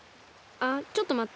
あっちょっとまって。